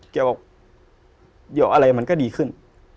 เดี๋ยวอะไรมันก็ดีขึ้น